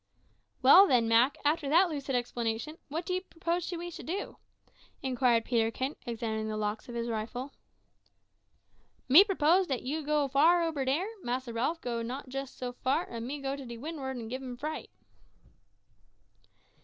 "Well then, Mak, after that lucid explanation, what d'you propose that we should do?" inquired Peterkin, examining the locks of his rifle. "Me pruppose dat you go far ober dere, Massa Ralph go not jist so far, and me go to de wind'ard and gib him fright."